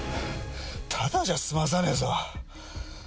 ただじゃすまさねえぞ。